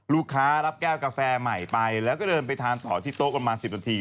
รับแก้วกาแฟใหม่ไปแล้วก็เดินไปทานต่อที่โต๊ะประมาณ๑๐นาที